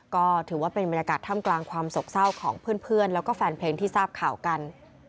ก็ถือว่าเป็นบรรยากาศท่ามกลางความโศกเศร้าของเพื่อนแล้วก็แฟนเพลงที่ทราบข่าวกัน